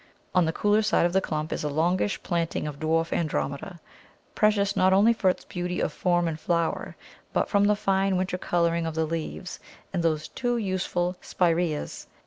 On the cooler side of the clump is a longish planting of dwarf Andromeda, precious not only for its beauty of form and flower, but from the fine winter colouring of the leaves, and those two useful Spiræas, _S.